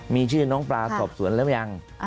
มีชื่อน้องปลาสอบสวนแล้วยัง